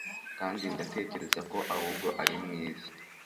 kandi ndatekereza ko ahubwo ari mwiza